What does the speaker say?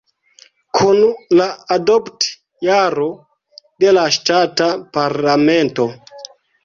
Kun la adopt-jaro de la ŝtata parlamento.